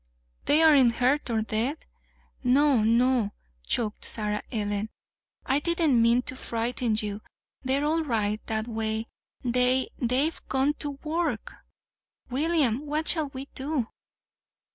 "They aren't hurt or dead?" "No, no," choked Sarah Ellen. "I didn't mean to frighten you. They're all right that way. They they've gone to work! William, what shall we do?"